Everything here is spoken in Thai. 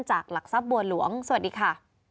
หลักทรัพย์บัวหลวงสวัสดีค่ะ